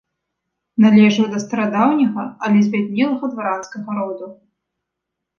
Належаў да старадаўняга, але збяднелага дваранскага роду.